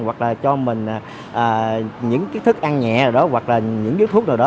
hoặc là cho mình những cái thức ăn nhẹ đó hoặc là những cái thuốc nào đó